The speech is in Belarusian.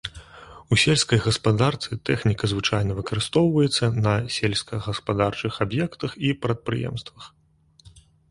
У сельскай гаспадарцы тэхніка звычайна выкарыстоўваецца на сельскагаспадарчых аб'ектах і прадпрыемствах.